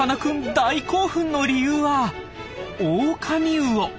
大興奮の理由はオオカミウオ。